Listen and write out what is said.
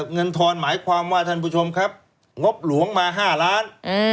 ทอนหมายความว่าท่านผู้ชมครับงบหลวงมา๕ล้าน